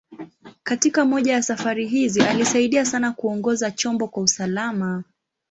Katika moja ya safari hizi, alisaidia sana kuongoza chombo kwa usalama.